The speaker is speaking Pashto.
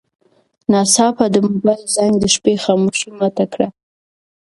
ناڅاپه د موبایل زنګ د شپې خاموشي ماته کړه.